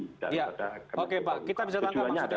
oke pak kita bisa tangkap